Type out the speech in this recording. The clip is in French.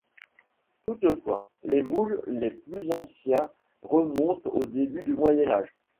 Toutefois, les moules les plus anciens remontent au début du Moyen Âge.